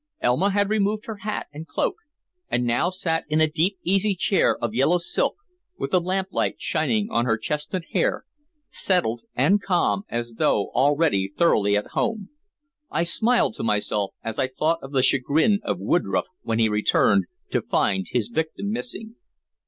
Elma had removed her hat and cloak, and now sat in a deep easy chair of yellow silk, with the lamplight shining on her chestnut hair, settled and calm as though already thoroughly at home. I smiled to myself as I thought of the chagrin of Woodroffe when he returned to find his victim missing.